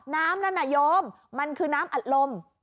น้ำนั่นน่ะโยมมันคือน้ำอัดลม